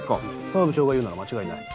澤部長が言うなら間違いない。